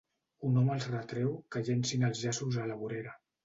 Un home els retreu que llencin els llaços a la vorera.